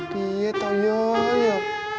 dia tau ya